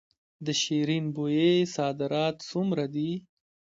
د شیرین بویې صادرات څومره دي؟